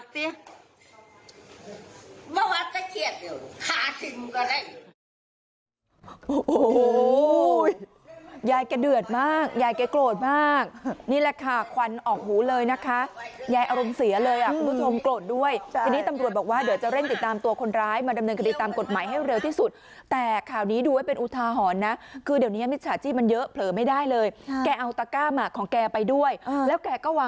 พักก็เชียบอยู่ขาถึงก็ได้อยู่